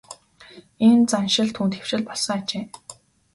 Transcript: Ийм заншил түүнд хэвшил болсон ажээ.